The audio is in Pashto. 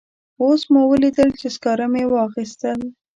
اوس مو ولیدل چې سکاره مې واخیستل.